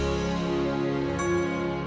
jangan lupa like share dan subscribe ya